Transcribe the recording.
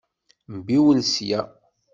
Mbiwel sya!